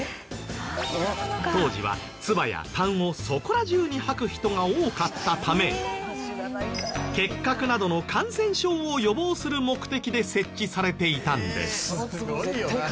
当時はツバやたんをそこら中に吐く人が多かったため結核などの感染症を予防する目的で設置されていたんです。